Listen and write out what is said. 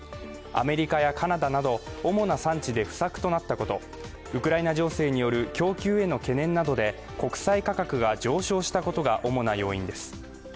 アメリカやカナダなど主な産地で不作となったこと、ウクライナ情勢による供給への懸念などで国際価格が上昇したことが主な要因です。